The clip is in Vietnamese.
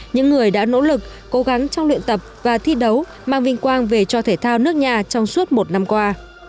những người đã nỗ lực cố gắng trong luyện tập và thi đấu mang vinh quang về cho thể thao nước nhà trong suốt một năm qua